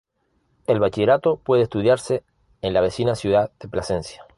El Bachillerato puede estudiarse en la vecina ciudad de Plasencia.